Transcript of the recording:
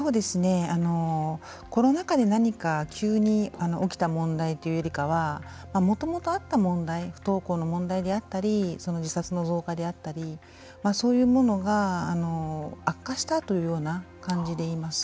コロナ禍で何か急に起きた問題というよりかはもともとあった問題不登校の問題であったり自殺の増加であったりそういうものが悪化したというような感じでいます。